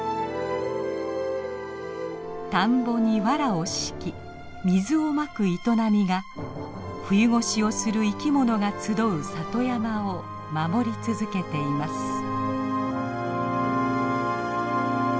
田んぼにわらを敷き水をまく営みが冬越しをする生きものが集う里山を守り続けています。